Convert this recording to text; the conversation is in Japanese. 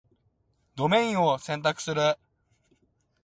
ドメインを選択する